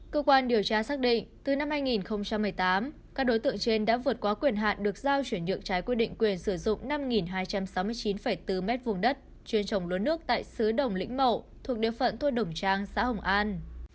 cơ quan điều tra xác định từ năm hai nghìn một mươi tám các đối tượng trên đã vượt qua quyền hạn được giao chuyển nhượng trái quy định quyền sử dụng năm hai trăm sáu mươi chín bốn mét vùng đất chuyên trồng lúa nước tại xứ đồng lĩnh mậu thuộc địa phận thôn đồng trang xã hồng an